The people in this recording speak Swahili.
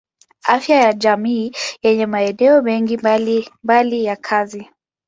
Afya ya jamii yenye maeneo mengi mbalimbali ya kazi.